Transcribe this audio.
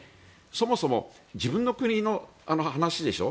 そもそも自分の国の話でしょ？